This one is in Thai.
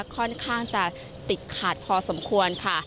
ค่อนข้างจะติดขาดพอสมควรค่ะ